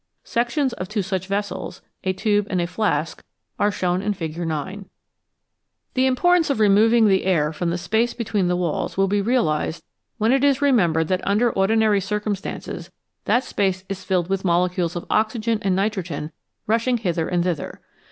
Sections of two such vessels, a tube and a flask, arc shown in Fig. 9. 187 BELOW ZERO The importance of removing the air from the space between the walls will be realised when it is remembered that under ordinary circumstances that space is filled with molecules of oxygen and nitrogen rushing hither and thither.